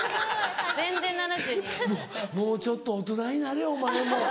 もうちょっと大人になれお前も。